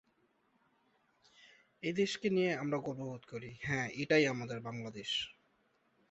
তার বড় ভাই রাজশাহী কলেজে পড়ে।